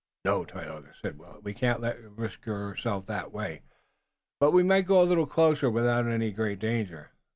"No, Tayoga," said Willet. "We can't let you risk yourself that way. But we might go a little closer without any great danger.